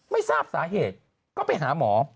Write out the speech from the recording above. ไม่ทราบสาเหตุก็ไปหาหมอ